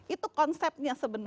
itu konsepnya sebenarnya